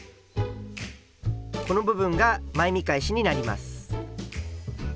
この部分が前見返しになります。